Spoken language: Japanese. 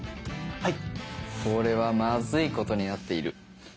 はい。